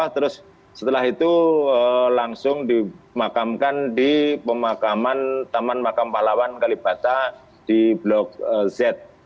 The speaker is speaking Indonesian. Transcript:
terus setelah itu langsung dimakamkan di pemakaman taman makam pahlawan kalibata di blok z